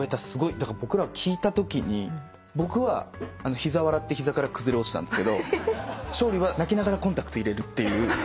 僕ら聴いたときに僕は膝笑って膝から崩れ落ちたんすけど勝利は泣きながらコンタクト入れるっていう。